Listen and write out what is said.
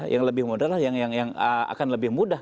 yang akan lebih mudah